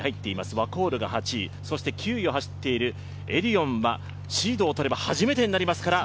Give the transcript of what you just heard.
ワコールが８位、９位を走っているエディオンはシードを取れば初めてになりますから。